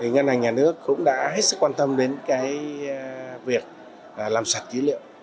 ngân hàng nhà nước cũng đã hết sức quan tâm đến việc làm sạch dữ liệu